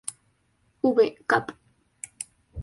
V, cap.